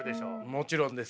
もちろんです。